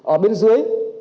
ở bên dưới